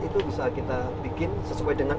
itu bisa kita bikin sesuai dengan